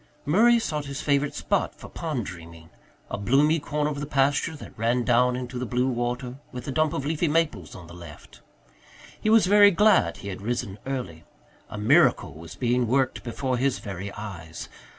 Murray sought his favourite spot for pond dreaming a bloomy corner of the pasture that ran down into the blue water, with a dump of leafy maples on the left. He was very glad he had risen early. A miracle was being worked before his very eyes.